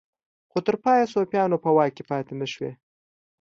خو تر پایه صفویانو په واک کې پاتې نشوې.